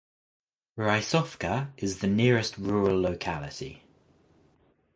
Raisovka is the nearest rural locality.